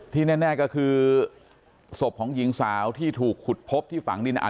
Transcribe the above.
แน่ก็คือศพของหญิงสาวที่ถูกขุดพบที่ฝังดินอาจ